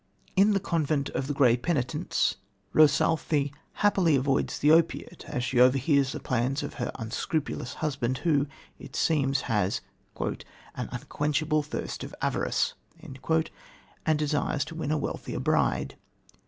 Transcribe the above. In The Convent of the Grey Penitents, Rosalthe happily avoids the opiate, as she overhears the plans of her unscrupulous husband, who, it seems, has "an unquenchable thirst of avarice," and desires to win a wealthier bride.